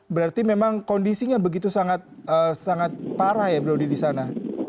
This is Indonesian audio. berarti memang kondisinya begitu sangat parah ya braudi di sana